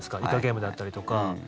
「イカゲーム」だったりとか。